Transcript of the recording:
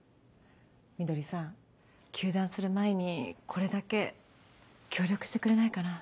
みどりさん休団する前にこれだけ協力してくれないかな？